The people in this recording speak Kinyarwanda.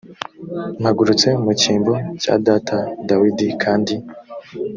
mpagurutse mu cyimbo cya data dawidi kandi